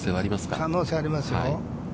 可能性はありますよ。